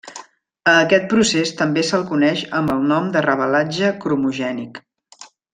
A aquest procés també se'l coneix amb el nom de revelatge cromogènic.